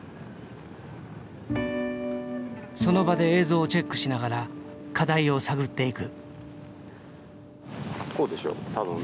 その場で映像をチェックしながら課題を探っていく。